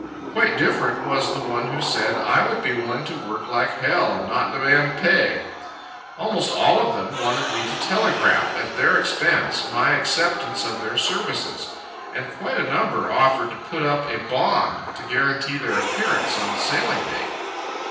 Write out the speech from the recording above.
Quite different was the one who said, "I would be willing to work like hell and not demand pay." Almost all of them wanted me to telegraph, at their expense, my acceptance of their services; and quite a number offered to put up a bond to guarantee their appearance on sailing date.